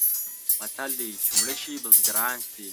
متل دی: چې مړه شي بزرګان شي.